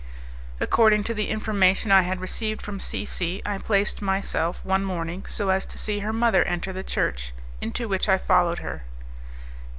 According to the information I had received from C C , I placed myself, one morning, so as to see her mother enter the church, into which I followed her.